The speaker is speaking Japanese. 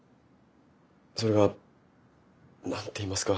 それが何て言いますか。